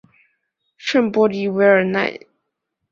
圣波迪韦尔奈。